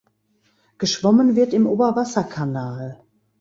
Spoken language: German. Geschwommen wird im Oberwasserkanal.